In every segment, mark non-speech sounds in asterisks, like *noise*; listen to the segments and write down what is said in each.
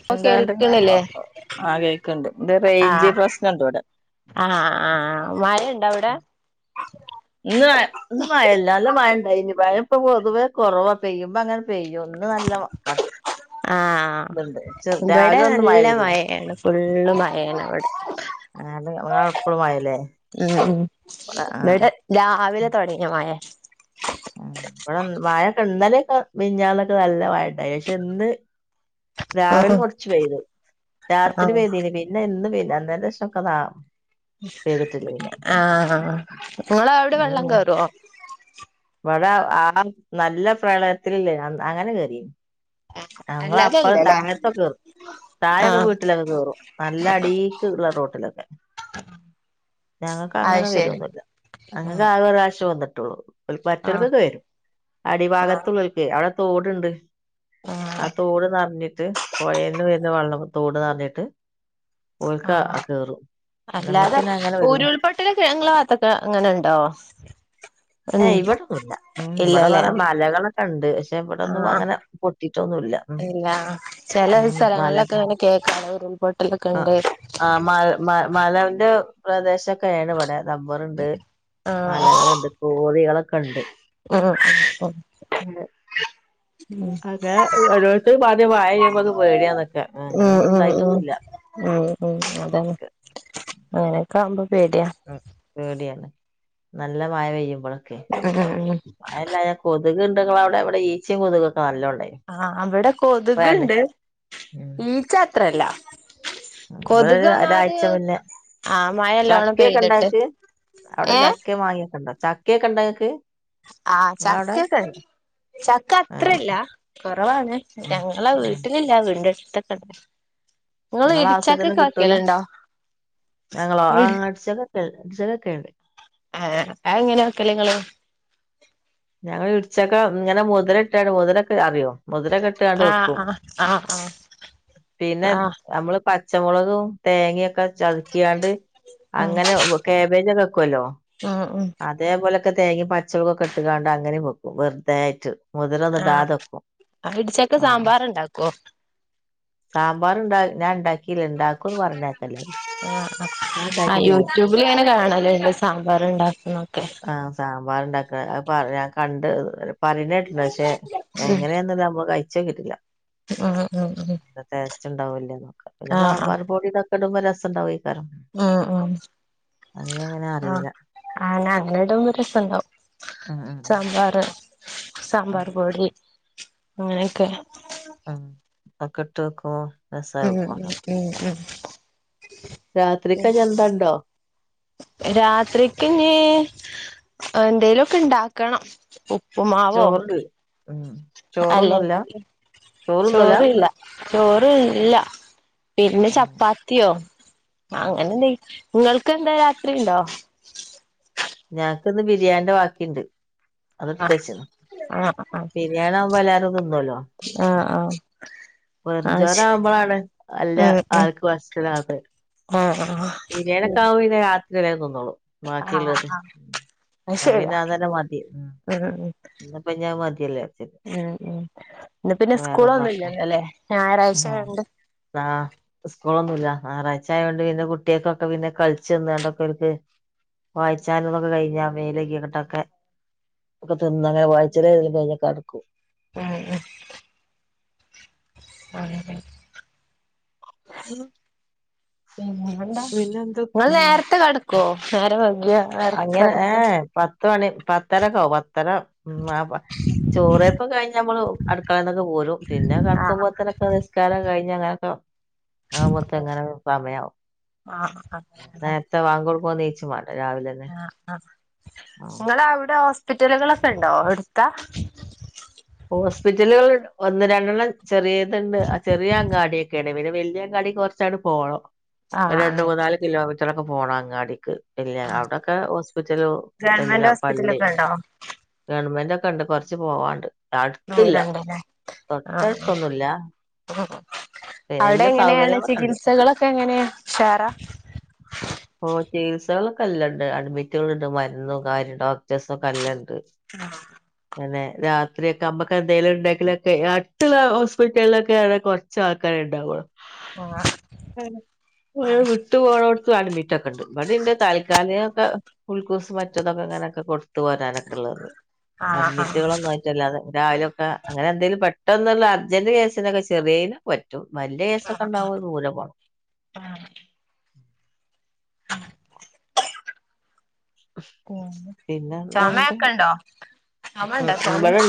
ഇപ്പൊ എന്താണ്ട് ആ കേൾക്ക്ണില്ലേ ആ കേക്ക്ണ്ട് ഇത് ആ റേഞ്ച് പ്രശ്നണ്ട് ഇവിടെ ആ ആ മഴണ്ടോ അവ്ടെ ഇന്ന് ഇന്ന് മഴ ഇല്ല നല്ല മഴണ്ടായിനി മഴപ്പം പൊതുവെ കോറവാ പെയ്യുമ്പങ്ങ പെയ്യു ഇന്ന് നല്ല ക ആഹ് ത്ണ്ട് ചേർ ഇവിടെ രാവിലെ ഒന്ന് മഴ നല്ല പെയ്തീന്നു മഴയാണ് ഫുള്ള് മഴേണ് ഇവടെ ഇങ്ങളെ അവടെ ഇപ്പളും മഴല്ലേ ഉം ഉം ഇവടെ ആ വടെ രാവിലെ തൊട്ങ്ങിയ മഴേ ഉം ഇവടെ മഴൊക്കെ ഇന്നലെക്കെ മിഞാന്നോക്കെ നല്ല മഴ ഇണ്ടായി പക്ഷെ ഇന്ന് രാവിലെ ആഹ് കൊർച്ച് പെയ്ത് രാത്രി ആഹ് പെയ്തിനി പിന്നെ ഇന്ന് പെയ്ത അന്നേന്റെ ശേഷം ഒക്ക നാ ആ ഇങ്ങള അവ്ടെ വെള്ളം കേറോ ഇവടെ ആ നല്ല പ്രളയത്തിലില്ലേ അ അങ്ങന കേറീനി ഞങ്ങള അപ്പൾ അല്ലാതെല്ലല്ലേ തായ്ത്തൊക്ക കേറും തായേക്ക ആഹ് വീട്ടിലൊക്കെ കേറും നല്ല അടീക്ക് ഇള്ള റോട്ടിലൊക്കെ. ഞങ്ങക്ക് അങ്ങന അത് ശരി വരൊന്നുല്ല. അങ്ങക്ക് ആഹ് ആക ഒര് പ്രാവശ്യം വന്ന്ട്ടോള്ളൂ ആഹ് മറ്റൊൽക്കൊക്ക വരും ആഹ് അടിഭാഗത്തുള്ളോ അവടെ തോട്ണ്ട്. ആ ആഹ് തോട് നർഞ്ഞിട്ട് പൊഴേന്ന് വര്ന വള്ളം തോട് നർഞ്ഞിട്ട്. ഓൽക്ക ആഹ് കേറും നമുക്കന്നെ അങ്ങനെ വരു പൊട്ടലെക്കെ അങ്ങളേ ആ ഭാത്തൊക്കെ അങ്ങനണ്ടോ എ ഇവടോന്നുല്ല ഉം ഇവടെ കോറെ മലകളൊക്ക ഇണ്ട് പക്ഷെ ഇവടോന്നും ആഹ് അങ്ങനെ പൊട്ടീട്ടൊന്നുല്ല. ഇല്ല ചെല സലങ്ങൾലൊക്ക ഇങ്ങനെ കേക്കലാ ഉരുൾപൊട്ടലൊക്ക ആ ഇണ്ട്. ആ മ മ മലന്റെ പ്രദേശ ഒക്കെണ് ഇവടെ റബ്ബറ്ണ്ട് മലകള്ണ്ട് കോറികളൊക്ക ഇണ്ട്. ആ ഉം അങ്ങനെ ഒരോര്ത്ത് പാദ്യം മഴ പെയ്യുമ്പം ഒന്ന് പേടിയാന്നെക്കെ ഉം അങ്ങനെന്നും ഉം ഉം ഇണ്ടായിട്ടൊന്നുല്ല. ഉം ഉം അതന്നെ അങ്ങനെക്ക ആവുമ്പം പേടിയാ. ഉം പേടിയാണ് നല്ല മഴ പെയ്യുമ്പള് *unintelligible* മഴ ഇല്ലാഞ്ഞ കൊതുക് ഇണ്ടോ ഇങ്ങളെ അവ്ടെ ഇവടെ ഈച്ചിം കൊതുകോക്കെ നല്ലോണ്ടായിനി. ആഹ് അവിടെ ഇപ്പഴാണ് കൊതക്ണ്ട് ഉം ഈച്ച അത്ര ല്ല ഇവിടെ ഒരു കൊതുക്ഒന്നാത് ഒരാഴ്ച മുന്നേ ആഹ് മഴെല്ലോണം ചക്കയൊക്കെ ഇണ്ടാ പെയ്തിട്ട് ഇങ്ങക്ക് അവിടെ ഏഹ് ചക്ക മാങ്ങിക്കെണ്ടോ ചക്കക്കെണ്ടോങ്ങക്ക് ആഹ് ചക്കക്കെണ്ട് ചക്ക ആഹ് അത്രില്ല കുറവാണ് ആഹ് ഞങ്ങള ആഹ് വീട്ടിലില്ല വീടിന്റ അടുത്തൊക്കെ ഉണ്ട് നിങ്ങള ആവശ്യത്തിന് കിട്ടൂല വെക്കലുണ്ടോ ഞങ്ങളോ ആ അടിച്ചക്ക ഒക്കെ അടിച്ചക്ക ഒക്കെയുണ്ട് ആഹ് അതെങ്ങന കിളിങ്ങള് ഞങ്ങൾ ഇടിച്ചക്ക ഇങ്ങനെ മുതല ഇട്ടാണ് മുതലൊക്കെ അറിയോ മുതിര ക്കട്ട്കാണ്ട് ആഹ് വെക്കും ആഹ് ആഹ് പിന്ന ആഹ് ആഹ് നമ്മള് പച്ചമുളകും തേങ്ങയൊക്കെ ചതച്ച്കാണ്ട് അങ്ങനെ വെക് കാബേജ് വെക്കുവല്ലോ ആഹ് ആഹ് അതേപോലെക്കെ തേങ്ങി പച്ചളക്കൊക്കെ ഇട്ട്കാണ്ട് അങ്ങനെ വെക്കും വറുതായിട്ട് ആഹ് പിടിച്ചക്ക സാമ്പാർ ഉണ്ടാക്കോ സാമ്പാറുണ്ട ഞാൻ ഉണ്ടാക്കിയില്ല ഇണ്ടാക്കുംന്ന് പറഞ്ഞാരുന്നല്ലോ ഞാൻ ഉണ്ടാക്കിട്ടില്ല. *unintelligible* കാണല്ലോ ഇന്ന് സാമ്പാറ് ഉണ്ടാക്കുന്നൊക്കെ ആഹ് സാമ്പാറുണ്ടാക്ക അ പറ ഞാൻ കണ്ട് അന്നരം പറയണേട്ടിട്ടുണ്ട് പക്ഷെ എങ്ങനെയൊന്നുംല്ല നമ്മള് കഴിച്ചോക്കിട്ടില്ല ഉം ഉം ടേസ്റ്റ് ഉണ്ടാവൂല്ലേന്ന് നോക്കാം പിന്നെ ആ ആ സാമ്പാർ പൊടി ഇതൊക്കെ ഇടുമ്പോ രസൊണ്ടാവെ ഉം ഉം അതിന അങ്ങനെ അറിയില്ല ആഹ് അങ്ങനിടുമ്പോ രസുണ്ടാവും ഉം ഉം സാമ്പാറ് ആഹ് സാമ്പാർ പൊടി അങ്ങനെയൊക്കെ ആഹ് ഒക്കെ ഇട്ട് വെക്കുവോ ഉം ഉം ഉം ഉം രാത്രിക്കഞ്ഞി ന്തോ ണ്ടോ രാത്രിക്കിനി എന്തേലുവൊക്കെ ഉണ്ടാക്കണം ഉപ്പുമാവോ ചോറുണ്ട് ഉം ചോറൊന്നുല്ല അല്ലെങ്കി ചോറൊന്നുല്ല ചോറില്ല ചോറില്ല പിന്നെ ഉം ചപ്പാത്തിയോ ആഹ് അങ്ങനെ എന്തെങ്കി നിങ്ങൾക്ക് എന്താ രാത്രി ഉണ്ടോ ഞങ്ങക്കിന്ന് ബിരിയാണിടെ ബാക്കിണ്ട്. ആ അതെടുത്ത് വെച്ചത് ആഹ് ബിരിയാണി ആകുമ്പോ എല്ലാവരും തിന്നുവല്ലോ ആഹ് *inaudible* വെറും ചോറ്‌ ആവുമ്പോഴാണ് അല്ല ആൾക്ക് *unintelligible* ആഹ് ആഹ് ബിരിയാണിയൊക്കെ ശരി ഉം ഉം ആഹ് ആഹ് ഉം ആകുമ്പോ പിന്നെ രാത്രി വരെ തിന്നോളും ആഹ് ബാക്കിയുള്ളോര് ആഹ് അത് ശരിയാ പിന്നെ അതെന്നെ മതി ഉം ഉം ഉം ഇന്നിപ്പോ ഇഞ്ഞി അത് മതിയല്ലോ വിചാരിച്ചിട്ട് ഉം ഇന്ന് പിന്നെ വേറൊന്നും സ്കൂളൊന്നുംല്ലല്ലോ വെക്ക അല്ലേ ഞായറാഴ്ച ആയോണ്ട് ആഹ് സ്കൂളൊന്നുവില്ല ഞായറാഴ്ച്ച ആയൊണ്ട് പിന്നെ കുട് കുട്ടികക്കൊക്കെ പിന്നെ കളിച്ചന്നണ്ടൊക്കെ അവക്ക് വായിച്ചാനന്നൊക്കെ കഴിഞ്ഞ മേല് കഴുകിയട്ടൊക്കെ ഒക്കെ തിന്നണെ വായിച്ചല് കഴിയുമ്പൊ കടക്കും ഉം ഉം ആഹ് ഉം നിങ്ങള് ഉം നേരത്തെ കടക്കോ നേരം വഗ്യ അങ്ങനെ ഏഹ് ഏഹ് പത്ത് മണി പത്തരക്ക പത്തര *unintelligible* ചോറയ്പൊക്കെ കഴിഞ്ഞമ്മള് അടുക്കളന്നൊക്കെ പോരു പിന്നെ ആഹ് കിടക്കുമ്പോത് ന് കെ നിസ്‌കാരം കഴിഞ്ഞ അങ്ങനൊക്കെ *unintelligible* എങ്ങനെ സമയാവു ആഹ് *unintelligible* നേര്തെ വാങ്കോട്കു നീച്ചും വാണ്ടേ രാവിലെ ആഹ് ആഹ് നിങ്ങളവിടെ ഹോസ്പിറ്റലുകളൊക്കെ ഉണ്ടോ എടുത്താ. ഹോസ്പിറ്റലുകൾ ഒന്ന് രണ്ടെണ്ണം ചെറിയത്ണ്ട് ആഹ് ചെറിയ അംഗാടിയൊക്കെ ലെ പിനെ വല്യ അങ്ങാടി കൊർച്ചട് പോണം ആഹ് രണ്ട് അങ്ങനെ മൂന്നാല് കിലോമീറ്ററൊക്കെ പോണം അങ്ങാടിക്ക് ഇല്ല അവിടൊക്കെ ഹോസ്പിറ്റലു ഗവൺമെന്റ് എല്ലാം പള്ളി ഹോസ്പിറ്റലൊക്കെ ഇണ്ടോ ഗവൺമെന്റക്കെണ്ട് കൊറച്ച് പോവാണ്ട് അടുത്തില്ല ദൂരണ്ടല്ലേ തൊട്ടടുത്തൊന്നുല്ല ഉം അവിടെ എങ്ങനെയാണ് സൗകര്യങ്ങളൊക്കെ ഉണ്ട് ചികിത്സകളൊക്കെ എങ്ങനെയ ഷാറാ ഓഹ് ചികിത്സകളൊക്കെല്ലണ്ട് അഡ്മിറ്റുകള്ണ്ട് മരുന്നും കാര്യം ഡോക്ടേഴ്സൊക്കെല്ലണ്ട് ആഹ് ങ്ങനെ രാത്രിയൊക്കെ അമ്മക്ക് എന്തേലും ണ്ടെങ്കിലൊക്കെ അടുത്തുള്ള ഹോസ്പിറ്റൽലൊക്കെയ ആണ് കൊ ചാൾക്കാര്ണ്ടാവ *unintelligible* വിട്ട് പോണോടുത്ത് *unintelligible* ക്കെണ്ട് ഇവിടെണ്ട് താൽക്കാലികക്കെ ഉൾക്കൂസ് മറ്റതൊക്കെ അങ്ങനെയൊക്കെ കൊടു തു വരാനൊക്കെ ഉള്ളത് ആഹ് ആഹ് ആഹ് അഡ്മിറ്റുകളൊന്നാ റ്റല്ലാതെ രാവിലെയൊക്കെ അങ്ങനെ എന്തേലും പെട്ടെന്നുള്ള അർജന്റ് കേസിനൊക്കെ ചെറ്യേയ്നും പറ്റും വല്യ കേസ്സൊക്കെണ്ടാഉമ്പ ദൂരെ പോണം ആഹ് ഉം ചൊമ ഒക്കെണ്ടോ ഉംഉം ഇവിടെ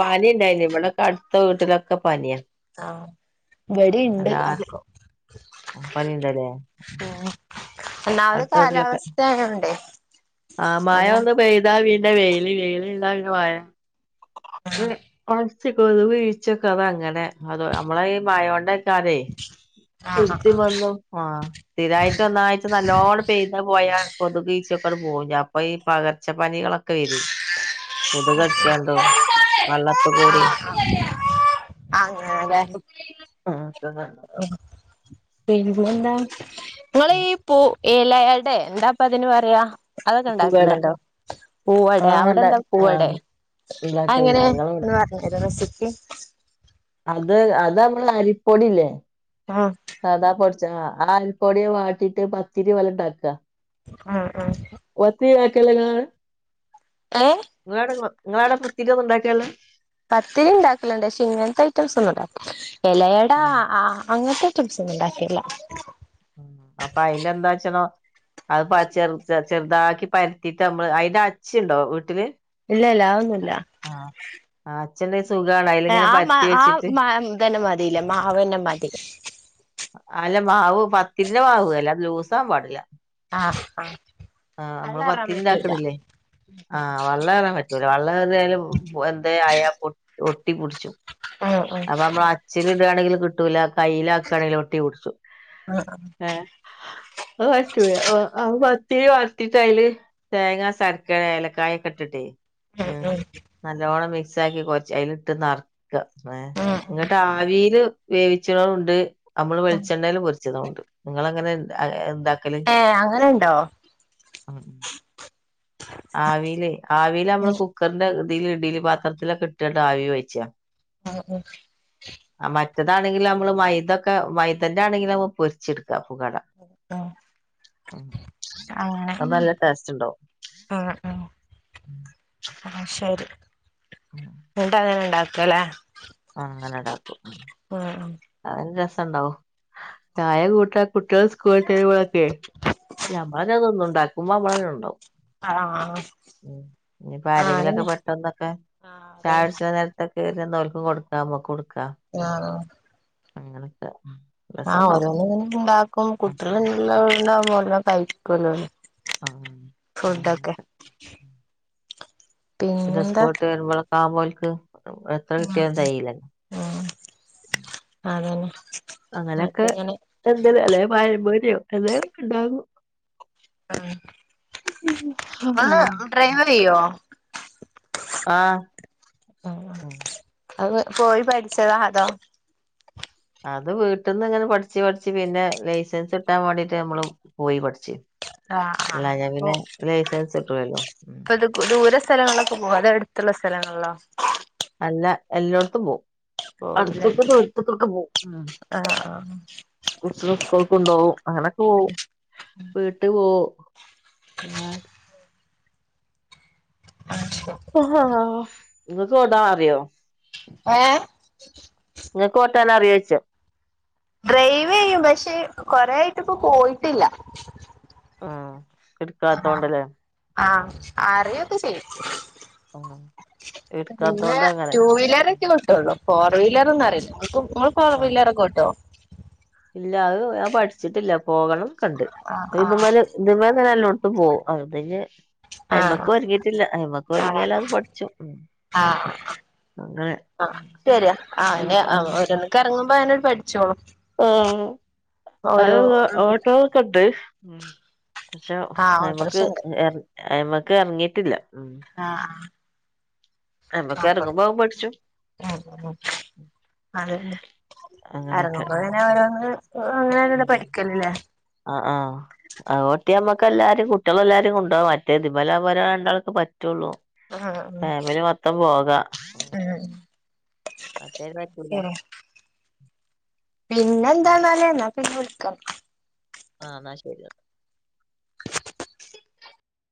പാനിണ്ടായിന് ഇവിടെക്കെ അടുത്ത വീട്ടിലൊക്കെ പനിയാ ആഹ് വെടിണ്ട് അത് പണിണ്ട്ലേ ഉം ഒന്നാമത് കാലാവസ്ഥയായോണ്ടേ ആഹ് മായ ഒന്ന് പെയ്താ പിന്ന വെയ്ല് വെയ്ല് ഇണ്ടാ മഴ ഉം *unintelligible* വീഴച്ചക്കെ അത അങ്ങനെ അതോ നമ്മളെ ഈ മയോണ്ടക്കാരെ ആഹ് കൃത്തി ആഹ് വന്നു ആഹ് സ്ഥിരായ്ട്ട് ഒന്നായ്ട്ട് നല്ലോണ്ട് പെയ്ത പോയാ കൊത്ക് ഈച്ച ക്കട് പോഉ ഞപ്പ ഈ പകർച്ച പനികളൊക്കെ വരും കൊത്കടിച്ചാണ്ടോ വെള്ളത് കൂടി ആങ്ങന ലെ ആ ഒക്കെണ്ടാവും. പിന്നെന്താ ങ്ങള് ഉം ഈ പൂ ഏലായടെ എന്താപ്പതിന് പറയാ അതൊക്കെ പുകട ണ്ടാക്കല്ണ്ടോ പൂവട ആഹ് അവിടെ ഇണ്ട എന്താ പൂവട ആഹ് ഇണ്ടാക്കല്ണ്ട് ഞങ്ങളിവിടെ അഹ്ങ്ങനെന്ന് പറഞ്ഞരോ റെസിപി അത് അത് നമ്മള് അരിപ്പൊടില്ലേ ആഹ് സതാ പൊടിച്ച്ണ ആ അരിപ്പൊടിയെ വാട്ടിയിട്ട് പത്തിരി പോലെണ്ടാക്ക ആഹ് ആഹ് *unintelligible* ഏഹ് *unintelligible* നിങ്ങളാട പത്തിരി ഒന്ന് ണ്ടാക്കേല്ലാ പത്തിരി ണ്ടാക്കല്ണ്ട് പക്ഷെ ഇങ്ങൻത്തെ ഐറ്റംസ് ഒന്നും ഉണ്ടാക്ക എലയടാ ആ അങ്ങൻത്തെ *unintelligible* ഉണ്ടാക്കിട്ടില്ല അപ്പൊ അയില് എന്താച്ചണം അഹ് ചെർ ചെറുതാക്കി പരത്തിട്ട് അമ്മള് അയ്ന് അച്ച്ണ്ടോ വീട്ടില് ഇല്ല ഇല്ല ആന്നുല്ല. ആഹ് ആഹ് അച്ച്ണ്ടങ്കി സുഖാണ് അയ്ല് ഇങ്ങനെ പരത്തി വെച്ചിട്ട് മതില്ലേ മാവന്നെ മതി അല്ല മാവ് പത്തിരിന്റെ മാവ്ല്ല അത് ലൂസാവാൻ പാടില്ല. ആഹ് ആഹ് ആഹ് നമ്മള് വെള്ളാറാൻ പത്തിരി പറ്റൂല ഇതാക്ക്ണ്ല്ലേ ആഹ് വെള്ളം ഏറാൻ വെള്ളം ഏറിയാലും എന്തെ ആയ ഒട്ടിപ്പുട്ച്ചും ഉം ഉം അപ്പൊ അമ്മള് ച്ച്ല് ഇടാണെങ്കില് കിട്ടൂല കയ്യില് ആക്കാണെങ്കില് ഒട്ടി പിടിച്ചും ഉം ഏഹ് അത് പറ്റുല്ല പത്തിരി പരത്തിട്ട് അയില് തേങ്ങ, സർക്കര, ഏലക്കായ്ക്കെ ഇട്ടിട്ടേ ഉം നല്ലോണ്ണം മിക്സാക്കി കൊർച്ച് അതില് ഇട്ട് നർക്ക ഏഹ് ഉം ഉം ഇങ്ങട്ടാ അവിയല് വേവിച്ചതും ഉണ്ട് അമ്മള് ഉം വെളിച്ചെണ്ണല് പൊരിച്ചതുണ്ട് നിങ്ങളെ അങ്ങനെ എന്താ ഏഹ് അങ്ങനെ ഇണ്ടോ? ഉം ആവില് ആവില് നമ്മള് ഉം കുക്കറിന്റെ ഇതില് ഇഡലി പാത്രത്തിലൊക്കെ ഇട്ടിട്ട് ആവി വെവിച്ച *unintelligible* ആഹ് മറ്റതാണെങ്കില് നമ്മള് മൈതൊക്കെ മൈതന്റെ ആണെങ്കില് നമ്മള് പൊരിച്ചെടുക്ക പുകട ഉം അത് നല്ല ടേസ്റ്റ് ഇണ്ടാവും ആഹ് ആഹ് ശെരി ഉം ഇന്നട്ട് അങ്ങനെണ്ട ക്കലാ അങ്ങനെണ്ടാക്കും അതോരു രസണ്ടാവും ചായ കൂട്ട കുട്ടികള് സ്കൂൾട്ട് വരുമ്പളൊക്കെ നമ്മളന്നെ തിന്നും അതൊന്നും ഇണ്ടാക്കുമ്പോ അമ്മളെണ്ടാവും ആഹ് ഉം ഇഞ് ആഹ് ആരെങ്കിലൊക്കെ ആഹ് പെട്ടന്നൊക്കെ ചായട്ച്ച്ണെ നേര് കൊറി വന്നാ ഓൽക്കും കൊടുക്കാ നമ്മക്കും ഇട്ക്കാ ആഹ് അങ്ങനൊക്കെ ആഹ് രസണ്ടാവും ഓരെന്ന് ഇങ്ങനെ ഇണ്ടാക്കും ഉം കുട്ടികള്ല്ല ഉം വീടാവുമ്പോ എല്ലാം കഴിക്കുല്ലോ ആഹ് അങ്ങനെക്കെ പിന്നെ പിന്നെന്താ സ്കൂള് വിട്ട് വെരുമ്പളോക്കെ ആകുമ്പോ ഓൽക്ക് എത്ര കിട്ടിയാലും തേയില ഉം അതന്നെ അപ്പ അങ്ങനെക്കെ ഇങ്ങനെ എന്തെല്ലും അല്ലെ പഴം പോരെ എന്തെങ്കിലും ഒക്കെ ഇണ്ടാക്കും. ഉം വാ ഡ്രൈവറെയ്യോ ആഹ് ഉം ഉം അത് പോയി പഠിച്ചതാ അതോ? അത് വീട്ട്ന്ന് ഇങ്ങനെ പഠിച്ച് പഠിച്ച് പിന്നെ ലൈസൻസ് കിട്ടാൻ വേണ്ടീട്ട് നമ്മള് പോയി പഠിച്ച് ആഹ് ആഹ് അല്ലാഞാ അപ്പൊ പിന്നെ ലൈസൻസ് കിട്ടൂലല്ലോ ഇപ്പൊ ഇത് ദൂര സ്ഥലങ്ങളൊക്കെ പോകോ അതോ അടുത്തുള്ള സ്ഥലങ്ങളിലോ? അല്ല എല്ലോട്ത്തും പോകും പോവുല്ലേ അട്ത്ത്ക്കും ദുരെത്ത്ക്കോക്കൊ പോവും ആഹ് ആഹ് കുട്ടികളെ സ്കൂൾക്ക് കോണ്ടോകും അങ്ങനൊക്കെ പോവും വീട്ട് പോവും ആഹ് അത് ശെരി ഓഹ ഹ ഇങ്ങക്ക് ഓട്ടൻ അറിയോ. ഏ നിങ്ങക്ക് ഓട്ടൻ അറിയോച്ചോ. ഡ്രൈവ് ചെയ്യും പക്ഷെ കൊറെ ആായിട്ടിപ്പ പോയിട്ടില്ല. ആ ഇട്ക്കാത്തോണ്ട്‌ല്ലേ. ആഹ അറിയോക്കെ ചെയ്യും ഉം. പിന്നെ ഇട്ക്കാത്തോണ്ട് അങ്ങനെ. ടു വീലർ ഉം ട്ടി വേട്ടോള്ളൂ ഫോർ വീലരെന്നും അറിയില്ല നക്ക് നിങ്ങൾ ഉം. ഫോർവിലറക്കെ ഓട്ടോ ഇല്ല അഹ്‌ ഞാൻ പഠിച്ചിട്ടില്ല പോകണം കണ്ട് ആഹ് *unintelligible* ആഹ് ഇമാല് ഇത് മേങ്ങനെ യെല്ലെട്ത്തും പോവും അഹ്ണ്ടകി ആഹ് അയ്മ്മക്ക് ഒരുങ്ങിയിട്ടില്ല അയ്മ്മക്ക് ഒരുങ്ങിൽ അത് പഠിച്ചും അങ്ങനെ ആഹ ഉം ശരിയാ ആ അൽ അയിന് അ ആഹ് ഒരന്നക്ക ഇറങ്ങുമ്പോ അങ്ങട് പഠിച്ചോളും ആ അഹ് ഓട്ടോക്കെണ്ട് പക്ഷെ ആഹ് അയ്മക്ക് ഓട്ടോറിക്ഷണ്ട് ഏർ അയ്മക്ക് ഏറങ്ങിട്ടില്ല ഉ ആഹ ആഹ അയ്മക്ക് നാപത് എറങ്ങുമ്പോ അത് പഠിച്ചും ആ ഉ അതന്നെ അങ്ങനൊക്കെ അറങ്ങുമ്പോ ഉം പിന്നെ ഓരോന്ന് അങ്ങനെന്ന പഠിക്കൽല്ലേ. ആഹ ആഹ അതോട്ടി നമ്മക്ക് എല്ലാരും കുട്ടിൾ എല്ലാരും കൊണ്ടവ മറ്റേ ഇതിമലവുമ്പോ ഒരാളെ രണ്ടളെ ഒക്കെ പറ്റുള്ളൂ. ആഹ ഉ ഫാമിലി മൊത്തം പോകാ ഉ. മറ്റേ അയിന് പറ്റൂല. പിന്നെ ആഹ് എന്താന്നല് എന്നാ പിന്നെ വിളിക്ക. ആഹ് എന്നാ ശരിയ വെ